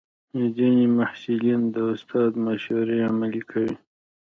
ځینې محصلین د استاد مشورې عملي کوي.